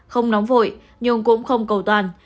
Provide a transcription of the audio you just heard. không nóng vội nhưng cũng không cầu toàn